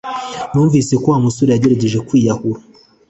Numvise ko Wa musore yagerageje kwiyahura